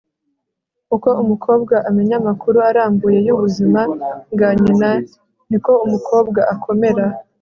uko umukobwa amenya amakuru arambuye y'ubuzima bwa nyina, ni ko umukobwa akomera